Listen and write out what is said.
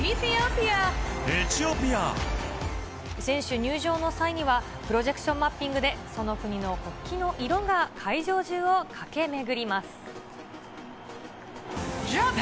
選手入場の際には、プロジェクションマッピングで、その国の国旗の色が会場中を駆け巡ります。